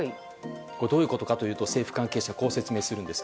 どういうことかというと政府関係者はこう説明します。